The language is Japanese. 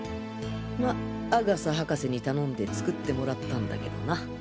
ま阿笠博士に頼んで作って貰ったんだけどな